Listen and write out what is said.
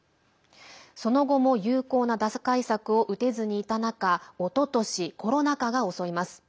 その後も有効な打開策を打てずにいた中おととし、コロナ禍が襲います。